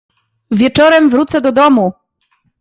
"Wieczorem wrócę do domu."